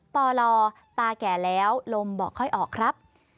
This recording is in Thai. ปลตาแก่แล้วลมบอกค่อยออกครับ